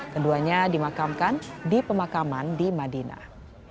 keduanya dimakamkan di pemakaman di madinah